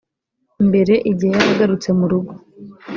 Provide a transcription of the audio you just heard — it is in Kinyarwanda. mbere igihe yari agarutse mu rugo